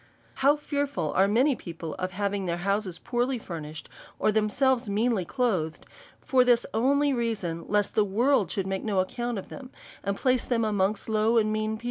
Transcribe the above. How fearful are many people of having their houses poorly furnished, or themselves meanly clothed^ for this only reason, lest the world should make no ac count of them, and place them amongst low and mean people